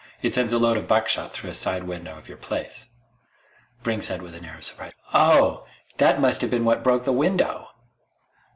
It sends a load of buckshot through a side window of your place." Brink said with an air of surprise: "Oh! That must have been what broke the window!"